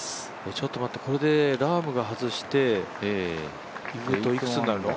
ちょっと待って、これでラームが外すといくつになるの。